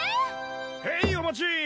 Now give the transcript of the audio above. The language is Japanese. へいお待ち！